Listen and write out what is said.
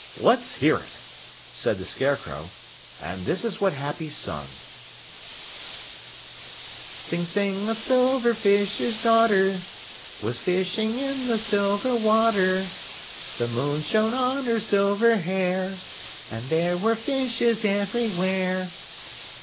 "Let's hear it," said the Scarecrow. And this is what Happy sung: Tsing Tsing, a Silver Fisher's daughter, Was fishing in the silver water. The moon shone on her silver hair And there were fishes everywhere!